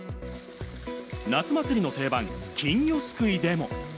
夏祭りの定番、金魚すくいでも。